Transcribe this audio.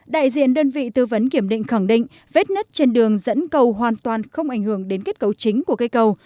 đại diện đơn vị tư vấn kiểm định khẳng định vết nứt trên đường dẫn cầu hoàn toàn không ảnh hưởng đến kết cấu chính của cây cầu